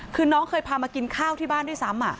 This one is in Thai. คือน้องเคยพามากินข้าวที่บ้านด้วยซ้ำ